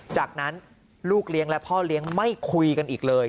จากนั้นลูกเลี้ยงและพ่อเลี้ยงไม่คุยกันอีกเลย